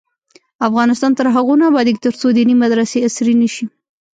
افغانستان تر هغو نه ابادیږي، ترڅو دیني مدرسې عصري نشي.